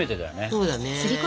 そうだね。